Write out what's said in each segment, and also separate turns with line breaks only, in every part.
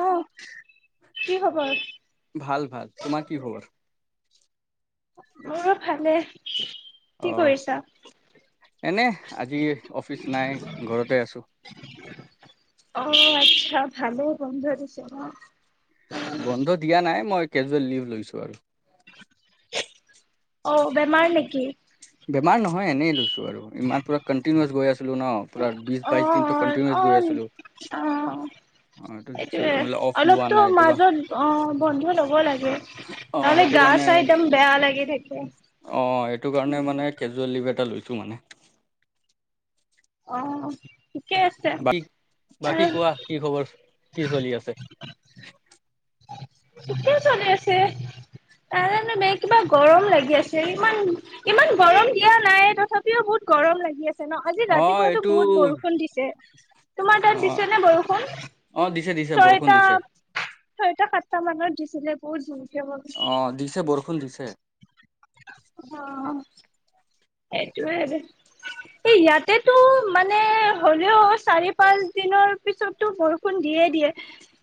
আহ কি খবৰ
ভাল ভাল তোমাৰ কি খবৰ
মোৰ ভালে কি
অ'
কৰিছা
এনে আজি অফিচ নাই ঘৰতে আছো
অ আচ্ছা ভালে বন্ধ দিছে ন
বন্ধ দিয়া নাই মই কেজুৱেল লিভ লৈছো আৰু
অ বেমাৰ নেকি
বেমাৰ নহয় এনেই লৈছো ইমান পুৰা কন্টিনিৱাছ গৈ আছিলো ন পুৰা বিশ বাইশ দিনো
অ',
কন্টিনিৱাচ গৈ
অ',
আছিলো
অ
অ' এইটো
সেইটোয়ে
মানে অফ লোৱা
অলপতো
নাই এইটো কা
মাজত অ বন্ধ ল'ব লাগে
অ'
তাহলে
এইটো
গা গা
কাৰণে
চা একদম বেয়া লাগি থাকে
অ এইটো কাৰণে
উম,
মানে কেজুৱেল লিভ এটা লৈছো মানে
অ ঠিকে আছে।
বাকী
আহ
কোৱা কি খবৰ কি চলি আছে
কেতিয়া চলি আছে তাই জানো বে কিবা গৰম লাগি আছে ইমান ইমান গৰম দিয়া নাই তথাপিও বহুত বহত গৰম লাগি আছে ন আজি
অ'
ৰাতিপুৱাতো
এইটো
বহুত বৰষুণ দিছে তোমাৰ তাত
অ'
দিছে নে বৰষুণ
অ' দিছে দিছে বৰষুণ
ছয়টা
দিছে
ছয়টা সাতটা মানত দিছিলে বহুত জুন
অ দিছে বৰষুণ দিছে
অ সেইটোয়ে আৰু এ ইয়াতেটো মানে হ'লেও চাৰি পাঁচ দিনৰ পিছটো বৰষুণ দিয় দিয়ে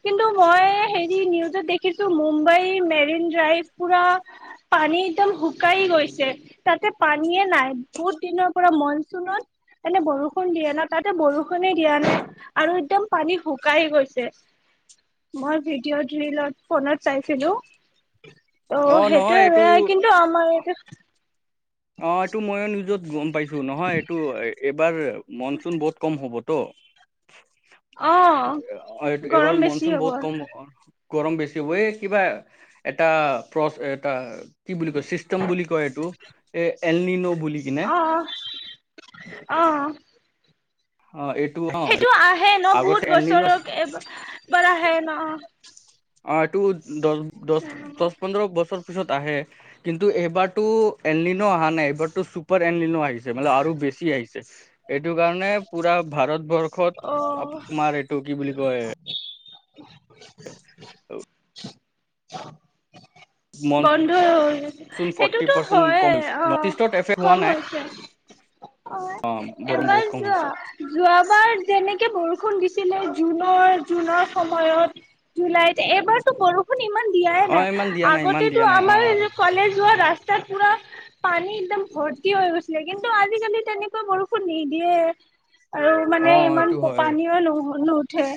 কিন্তু মই হেৰি নিউজত দেখিছো মুম্বাই মেৰিন ড্ৰাইভ পুৰা পানী একদম শুকাই গৈছে তাতে পান আমিয়ে নাই বহুত দিনৰ পৰা মনচুনত এনে বৰষুণ দিয়া না তাতে বৰষুণে দিয়া নাই আৰু একদম পানী শুকাই গৈছে মই ভিডিঅ' ড্ৰিলত ফোনত চাইছিলো অ
নহয়
সেইটোয়েই
এইটো
কিন্তু আমাৰ এইটো
অ এইটো মইঅ নিউজত গম পাইছো নহয় এইটো এইবাৰ মনচুন বহুত কম হ'ব ত
অ
এবাৰ
গৰম বেছি
মনচুন
হ'ব
বহুত কম গৰম বেছি হবই কিবা এটা প্ৰপ এটা কি বুলি কয় চিষ্টেম বুলি কয় এইটো এ এলনিনো বুলি কিনে
আহ আহ
অ এইটো অ
সেইটো আহে ন
আগতে
বহুত
এলনিনো
বছৰত এবা এবাৰ আহে ন
অ এইটো দছ দছ দছ পন্ধৰ বছৰ পিছত আহে কিন্তু এইবাৰতো এনলিনো অহা নাই এইবাৰতো চুপাৰ এন ক্লিনঅ আহিছে মানে আৰু বেছি আহিছে এইটো কাৰণে পুৰা ভাৰতবৰ
অ
শেষত তোমাৰ এইটো কি বুলি কয় [unintelligible] মনচুন
বন্ধ হৈছে
ফৰ্টি
সেইটোতো
পাৰ্চেন্ট
হয়ে
কম হৈছে
অ
নৰ্থ ইষ্টত এফেক্ট হোৱা
কম
নাই
হৈছে অ
বৰং
এবাৰ
বহুত কম
যোৱা
হৈছে
যোৱাবাৰ যেনেকে কে বৰষুণ দিছিলে জুনৰ জুনৰ সময়ত জুলাইত এইবাৰতো বৰষুণ ইমান দিয়াই
অ
নাই
ইমান দিয়া নাই ইমান
আগতেটো
দিয়া নাই অ
আমাৰ কলেজ যোৱা ৰাস্তা ত পুৰা পানী একদম ভৰ্তি হৈ গৈছিলে কিন্তু আজিকালি তেনেকৈ বৰষুণ নিদিয়ে আৰু মানে
অ
ইমান
এইটো হয়
পানীও নহয় নুঠে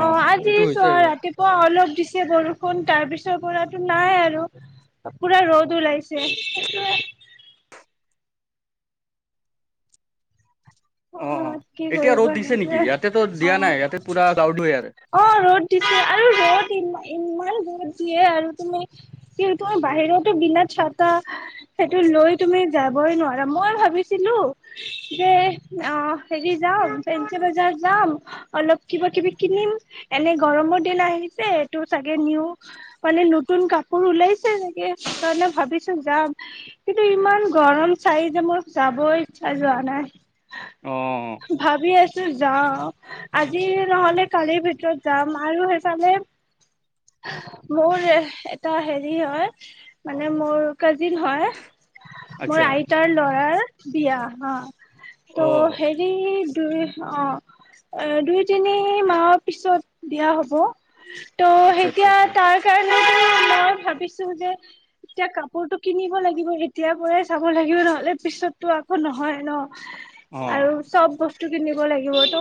অ আজি
এইটো হৈছে
চোৱা
অ
ৰাতিপুৱা অলপ তিছে বৰষুণ তাৰ পিছৰ পৰাটো নাই আৰু পুৰা ৰ'দ ওলাইছে অ কি
এতিয়া ৰ'দ
কৰিবা
দিছে নেকি
সেইটোৱে
ইয়াতেতো
অ
দিয়া নাই ইয়াতে পুৰা ক্লাউড হৈ আছে
অ ৰ'দ দিছে আৰু ৰ'দ ইমান ইমান দিয়ে আৰু তুমি কি তুমি বাহিৰতো বিনা চাতা সেইটো লৈ তুমি যাবই নোৱাৰা মই ভাবিছিলো যে অ হেৰি যাম পেঞ্চি বজাৰ যাম অলপ কিবা কিবি কিনিম এনে গৰম [unintelligible] আহিছে এইটো চাগে নিউ মানে নতুন কাপোৰ ওলাইছে চাগে সে ভ ভাবিছো যাম কিন্তু ইমান গৰম চাৰি যে মোৰ যাব ইচ্ছা যোৱা নাই
অ
ভাবি আছো যাও আজি নহলে কালিৰ ভিতৰত যাম আৰু সেইফালে মোৰ এটা হেৰি হয় মানে মোৰ কাজিন হয় মোৰ
আচ্ছা
আইতাৰ লৰাৰ বিয়া অ ট
অ
হেৰি দুই অ দুই তিনি মাহৰ পিছত দিয়া হ'ব ত'
আচ্ছা আচ্ছা
এতিয়া
আচ্ছা
তাৰ কাৰণে ইছু যে এতিয়া কাপোৰতটো কিনিব লাগিব এতিয়াৰ পৰাই চাব লাগিব নহলে পিছততটো আকৌ নহয় ন
অ
আৰু চব বস্তু কিনিব লাগিবতো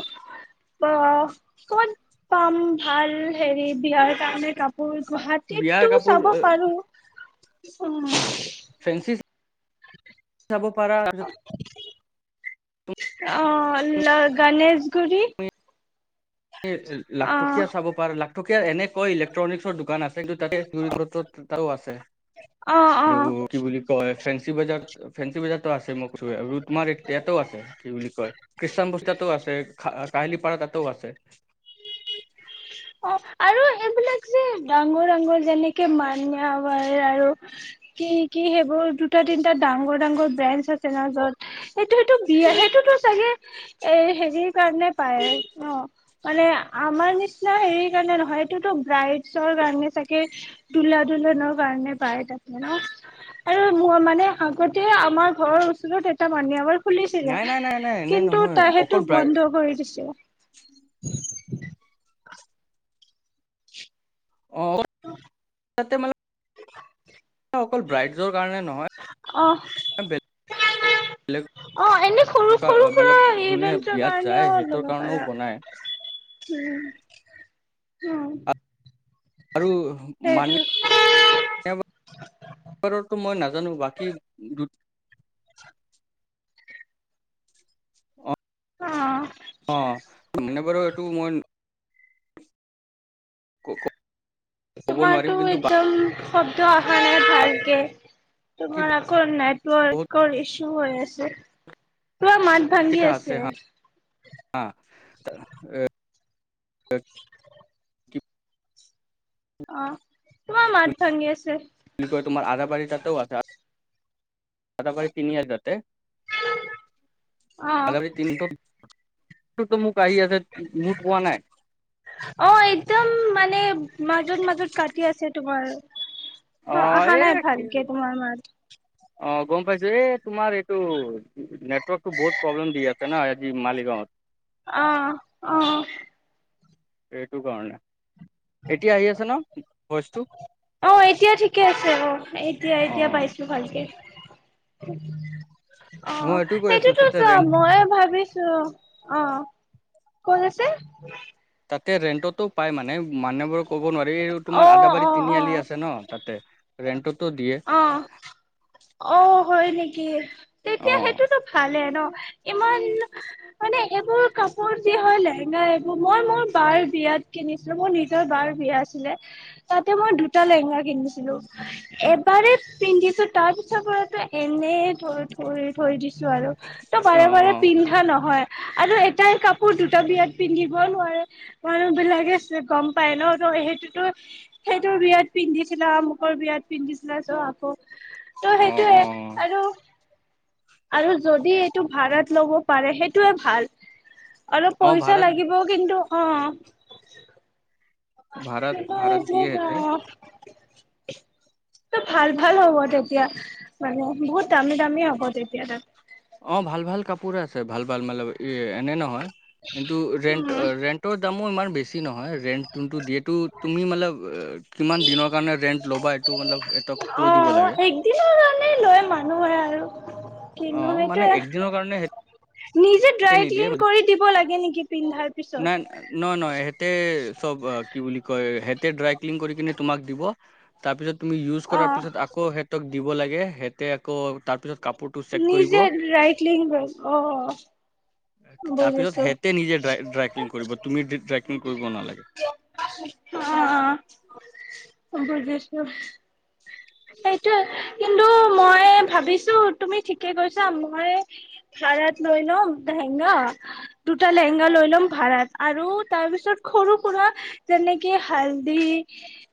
অ অমান পাম ভাল হেৰি বিয়াৰ কাৰণে কাম
বিয়াৰ
গুৱাহাটীততটো
কাপোৰ
চাব পাৰো উ
ফ্ৰেনচি জাব পাৰা আৰু
অহ ল গণেশগুৰি অ
লাটকীয়া চাব পাৰা লাটকীয়া এনেকা ইলেক্ট্ৰনিক্ছৰ দোকান আছে কিন্তু তাতে জৰিদ্ৰত এটাও আছে
অ অ
আৰু কি বুলি কয় ফেঞ্চি বজাৰত ফেঞ্চি বজাৰতো আছে মই কৈ ৰুটমাৰ ইয়াাতও আছে কি বুলি কয় খ্ৰীষ্টান বস্তা ও আছে কাহালী পাৰা তাতেও আছে
অ আৰু এইবিলাক যে ডাঙৰ ডাঙৰ যেনেকে মানিয়মাৰ আৰু কি কি সেইবোৰ দুটা তিনটা ডাঙৰ ডাঙৰ ব্ৰেঞ্চ আছে না যত এইটো সটো বিয়াহে টো চাগে এ হেৰিৰ কাৰণে পায় ন মানে আমাৰ নিচ নাই সেই কাৰণে নহয় এইটোতো ব্ৰাইটছৰ কাৰণে চাগে দূলা ধলনৰ কাৰণে পায় তাক আৰু মোৰ মানে আগতে আমাৰ ঘৰৰ ওচৰত এটা মানে আমাৰ খুলিছিলে
নাই নাই নাই নাই এনে
কিন্তু
নহয়
তাই সেইটো
অকল ব্ৰাই
বন্ধ কৰি দিছে
অ তাতে ম
[unintelligible]
এ অকল ব্ৰাইটৰ কাৰণে নহয়
অ
বেলেগ
অ এনে সৰু সৰু সুৰা
মতলব যোনে
ইভেন্টৰ
বিয়াত যায়
কাৰণেও
সেইটোৰ
লব
কাৰণেও
পাৰে
বনাই
উম হ
আৰু
সেইতো
টো মই নাজানো বাকী দু
অ
অ মানে বাৰু এইটো মই ক'ব নোৱাৰিম
তোমাৰতটো
কিন্তু
একদম শব্দ অহা নাই
বাকী
ভালকে তোমাৰ আকৌ
বহুত
নেটৱৰ্কৰ ইছু হৈ আছে পোৰা মাত ভাগি
কেইটা
আছে
হা [unintelligible]
অ তোমাৰ মাত ভাঙি আছে
বুলি কয় তোমাৰ আধাবাৰী তাতেও আছে [unintelligible] ত
অ
মোক ক আহ আছে মুটোৱা নাই
অ একদম মানে মাজত মাজত কাটি আছে তোমাৰ
অ
অহা
এ
নাই
কি
ভালকে তোমাৰ মাত
অ গম পাইছো এ তোমাৰ এই টো নেটৱৰ্ক টো বহুত প্ৰব্লেম দিআছে না আজি মালিগাঁৱত
অহ অহ
এইটো কাৰণে, এতিয়া আহি আছে ন ভইচটো?
অ', এতিয়া ঠিকে আছে অ', এতিয়া-
অ
এতিয়া পাইছো ভালকে।
মই
অ',
এইটো কৈ আছো
সেইটোতো
তাতে
চোৱা,
ৰেন্ট
ময়ো ভাবিছো অ'। ক'ত আছে?
তাতে ৰেন্টতো পায় মানে মানুহবোৰ ক'ব নোৱাৰি, এ
অ
তোমাৰ আদাবাৰী
অ অ
তিনিআলি আছে ন তাতে, ৰেন্টত তো দিয়ে।
অ অ' হয় নেকি?
অ
তেতিয়া সেইটোতো ভালে ন? ইমান, মানে এইবোৰ কাপোৰ যি হয় লেহেঙ্গা এইবোৰ, মই মোৰ বা'ৰ বিয়া কিনিছিলো। মোৰ নিজৰ বা'ৰ বিয়া আছিলে তাতে মই দুটা লেহেঙ্গা কিনিছিলো। এব বাৰে পিন্ধিছো, তাৰপিছৰপৰাটো এনে থৈ থৈ থৈ দিছোঁ। আৰু ত
অ
বাৰে-বাৰে
অ
পিন্ধা নহয়। আৰু এটাই কাপোৰ দুটা বিয়াত পিন্ধিবও নোৱাৰে, মানুহবিলাকে চ' গম পায় ন। সেইটোতো সেইটো বিয়াত পিন্ধিছিলা, আমুকৰ বিয়াত পিন্ধিছি [unintelligible] তো
অ
সেইটোৱে
অ
আৰু আৰু যদি এইটো ভাড়াত ল'ব পাৰে সেইটোৱে ভাল। অলপ
অ
পইচা
ভাড়াত
লাগিবও কিন্তু অ'-
ভাড়াত
কিন্তু
ভাড়াত
এতিয়া
দিয়ে সিহঁতে
নহ টো ভাল- ভাল হ'ব তেতিয়া মানে বহুত দামী-দামী হ'ব তেতিয়া, তা
অ', ভাল-ভাল কাপোৰ আছে, ভাল-ভাল মানে এনে নহয় কিন্তু ৰেন্ট
উম
ৰেন্টৰ দামো ইমান বেছি নহয় ৰেণ্ট কিন্তু, যিহেতু তুমি মানে কিমান দিনৰ কাৰণে ৰেণ্ট
অ', একদিনৰ কাৰণেই লয় মানুহে আৰু।
অ মানে
[unintelligible]
একদিনৰ কাৰণে
নিজে
সিহঁতে নিদিয়ে
ড্ৰাই-ক্লিন
মানে
কৰি দিব লাগে নেকি পিন্ধাৰ পিছত?
তে সব কি বুলি কয়, সিহঁতে ড্ৰাই-ক্লিন কৰি কিনে তোমাক দিব, তাৰপিছত তুমি ইউজ
অ
কৰাৰ পিছত আকৌ সিহঁতক দিব লাগে, সিহঁতে আকৌ তাৰ
নিজে ড্ৰাই-ক্লিন কৰিব। অ
তাৰপিছত
বুজিছো।
সিহঁতে নিজে ড্ৰাই, ড্ৰাই-ক্লিন কৰিব, তুমি ড্ৰাই-ক্লিন কৰিব নালাগে।
অ'- অ', বুজিছো। সেইটো কিন্তু মই ভাবিছো তুমি ঠিকে কৈছা মই ভাড়াত লৈ ল'ম লেহেংগা, দুটা লেহেংগা লৈ ল'ম ভাড়াত আৰু তাৰপিছত সৰু-সুৰা যে যেনেকে, হালধি,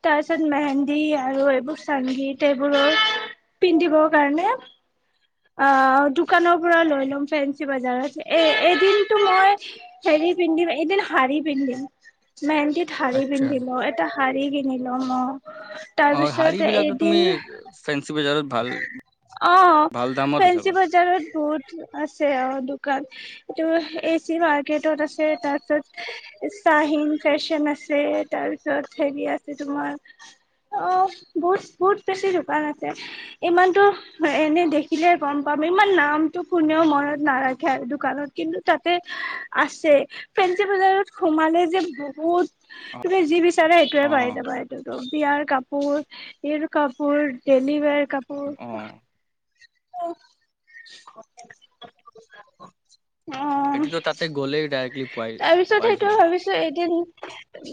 তাৰপিছত মেহেন্দী আৰু এইবোৰ সংগীত এইবোৰৰ পিন্ধিবৰ কাৰণে। অ', দোকানৰ পৰা লৈ ল'ম ফেঞ্চি বজাৰত। এ এ এদিনতো মই হেৰি পিন্ধিম, এদিন শাড়ী পিন্ধিম। মেহিন্দীত শাড়ী
আচ্ছা
পিন্ধি মই, এটা শাড়ী কিনি ল'ম অ।
অ',
তাৰপিছত
শাড়ীবিলাকতো তুমি
এদিন
ফেন্সী বজাৰত ভাল
অ',
ভাল দামত পাই
ফেঞ্চি
যাবা
বজাৰত বহুত আছে অ' দোকান। এইটো এ, চি, মাৰ্কেটত আছে, তাৰপিছত শ্বাহিন ফেশ্বন আছে। তাৰপিছত হেৰি আছে তোমাৰ অ', বহুত, বহুত বেছি দোকান আছে। ইমানতো, এনে দেখিলে গম পাম, ইমান নামটো কোনেও মনত নাৰাখে আৰু দোকানৰ। কিন্তু তাতে আছে, ফেঞ্চি বজাৰত সোমালে যে বহুত
অ
তুমি যি বিচ চাৰা সেইটোৱে
অ
পাই যাবা এইটোত বিয়াৰ কাপোৰ, এইৰ কাপোৰ, ডেইলি ওৱেৰ কা
অ'।
[unintelligible] অ'।
এইটোতো তাতে গ'লেই ডাইৰেক্টলি পাই
তাৰপিছত
পাই
সেইটোও
যোৱা
ভাবিছো এদিন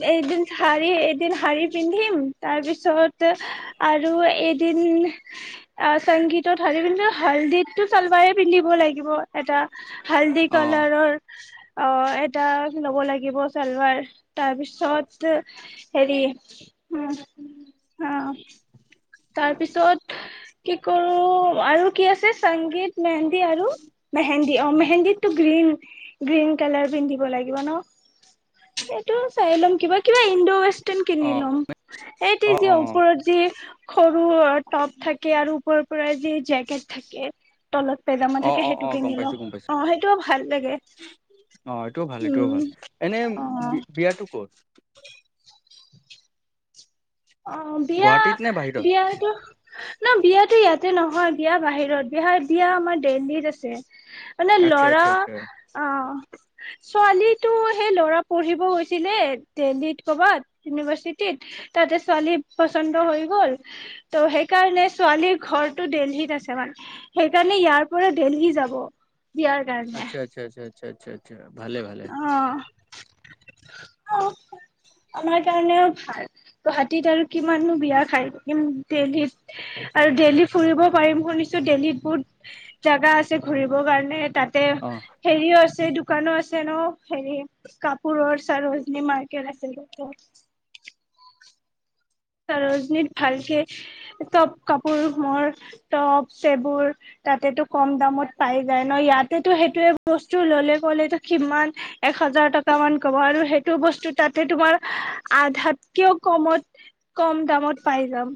এদিন শাৰী এদিন শাৰী পিন্ধিম তাৰ পিছত আৰু এদিন চংগীতত হালধি পিন্ধো টো চালবাৰে পিন্ধিব লাগিব এটা হাল্দি
অ
কালাৰৰ অ এটা ল'ব লাগিব চালাৰ তাৰপিছত হেৰি উম অ তাৰপিছত কি কৰো আৰু কি আছে সংগীত মেহেন্দী আৰু মেহে মেন্দ অ মেহেন্দিতটো গ্ৰীণ গ্ৰীণ কালাৰ পিন্ধিব লাগিব ন এইটো চাই ল'ম কিবা কিবা ইণ্ড ৱেষ্ট ক্তন কিনি
অ
ল'ম এইটো
অ
যে
অ
ওপৰত যে সৰু টপ থাকে আৰু ওপৰৰ পৰা যে জেকেট থাকে তলত পেজামা
অ
থাকে
অ অ
সেইটো
গম
কিনি লওঁ
পাইছো গম পাইছো
অ সেইটো ভাল লাগে
অ এইটোও ভাল এইটোও
উম
ভাল এনে
অ
বিয়াতটো কত
অ বিয়া
গুৱাহাটীত নে বাহিৰত
বিয়া টো ন বিয়াতো ইয়াতে নহয় বিয়া বাহিৰত বিহা বিয়া আমাৰ দেল্লীত আছে মানে
আচ্ছা
লৰা
আচ্ছা আচ্ছা
অ ছোৱালী তো সেই ল'ৰা পঢ়িব হৈছিলে দেল্হীত কৰ'বাত ইউনিভাৰ্চিটিত তাতে ছোৱালী পচন্দ হৈ গল ত' সেইকাৰণে ছোৱালীৰ ঘৰটো দেল্লীত আছে মানে সেইকাৰণে ইয়াৰ পৰা দেল্লী যাব বিয়াৰ কাৰণে
আচ্ছা আচ্ছা আচ্ছা আচ্ছা আচ্ছা ভালে ভালে
অ আমাৰ কাৰণে আৰু ভাল গুৱাহাটীত আৰু কিমানো বিয়া খায় দেল্লীত আৰু দেল্হী ফুৰিব পাৰিম শুনিছো দেল্হীত বহুত জোগা আছে ঘুৰিবৰ কাৰণে তাতে
অ
হেৰিও আছে দু দোকানো আছে ন হেৰি কাপুৰ চৰজী মাৰ্কেট আছে ত [unintelligible] ৰজনীত ভালকে টপ কাপোৰ মৰ টপ চেবোৰ তাতেতটো কম দামত পাই যায় ন ইয়াতেতো সেইটোে বস্তু ললে ক'লেতো কিমান হাজাৰ টকা মান ক'ব আৰু সেইটো বস্তু তাতে তোমাৰ আধাতকেও কমত কম দামত পাই যাম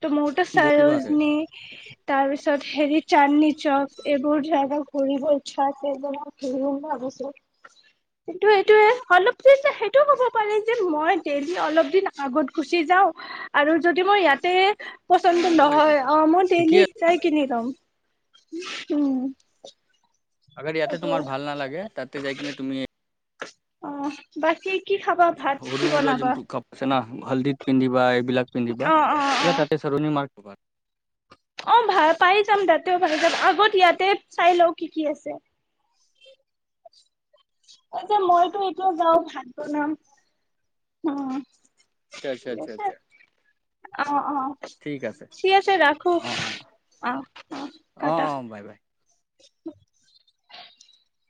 ত' মোৰতো
বহুত কিবা আছে
চাইজনী তাৰপিছত [unintelligible] সেঁটো এইটোয়ে অলপ সেইটো ক'ব পাৰি যে মই দেল্লীত অলপ দিন [unintelligible] আগত গুচি যাওঁ আৰু যদি মই ইয়াতে
অ
পচন্দ
গম
নহয়
পাইছো
অ মই
ঠিকেই
ডেইলি
আছে
চাই কিনি তম
আগৰ ইয়াতে তোমাৰ ভাল নালাগে তাতে যাই কিনে তুমি
অ বাকী কি খাবা ভাত কি বনাবা
হল্দিত পিন্ধিবা এইবিলাক পিন্ধিবা
অ অ অ
এইবাক তাতে চৰণি মাৰ্
অ ভাল পাই যাম তাতে আগত ইয়াতে চাই লও কি কি আছে এ যে মইতো এইটোয় যাও ভাত বনাম উ
আচ্ছা আচ্ছা আচ্ছা
অ অ ঠিক আছে ৰাখো
অ অ
অ অ
অ
কাটা
অ বাই বাই
[unintelligible]